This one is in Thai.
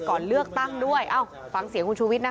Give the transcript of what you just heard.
ก่อนเลือกตั้งด้วยเอ้าฟังเสียงคุณชูวิทยนะ